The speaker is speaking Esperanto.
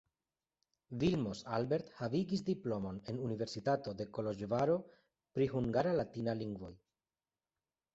Vilmos Albert havigis diplomon en Universitato de Koloĵvaro pri hungara-latina lingvoj.